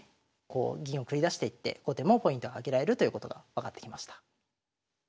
こう銀を繰り出していって後手もポイント挙げられるということが分かってきました。